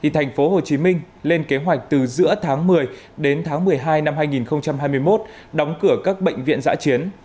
thành phố hồ chí minh lên kế hoạch từ giữa tháng một mươi đến tháng một mươi hai năm hai nghìn hai mươi một đóng cửa các bệnh viện giã chiến